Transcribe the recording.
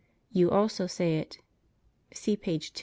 You also say it (see page 2).